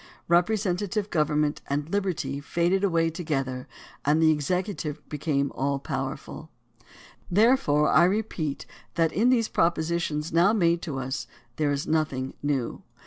Representative government and Hb erty faded away together and the executive became all powerful. Therefore I repeat that in these proposi tions now made to us there is nothing new.